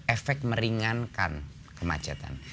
efek meringankan kemacetan